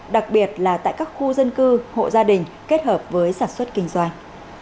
đặc biệt là tại các khu dân cư hộ gia đình kết hợp với sản xuất kinh doanh